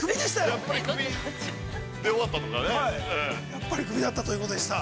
やっぱり首だったということでした。